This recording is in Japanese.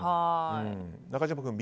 中島君、Ｂ。